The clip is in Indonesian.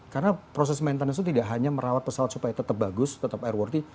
karena proses maintenance itu tidak hanya merawat pesawat supaya tetap bagus tetap airworthy